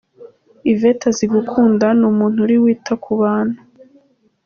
Yvette azi gukunda, ni umuntu uri wita ku bantu.